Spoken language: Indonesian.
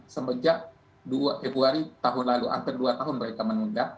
semenjak dua februari tahun lalu hampir dua tahun mereka menunda